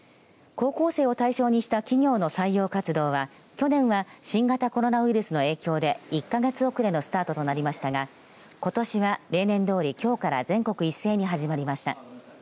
高校生を対象にした企業の採用活動は去年は新型コロナウイルスの影響で１か月遅れのスタートとなりましたがことしは例年どおり、きょうから全国一斉に始まりました。